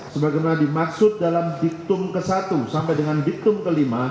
sebagaimana dimaksud dalam diktum ke satu sampai dengan diktum ke lima